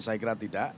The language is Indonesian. saya kira tidak